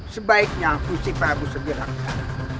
sebaiknya musti prabu segerakan